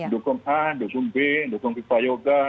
dukung a dukung b dukung viva yoga